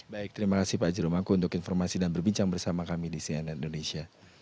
baik terima kasih pak jeromangku untuk informasi dan berbincang bersama kami di cnn indonesia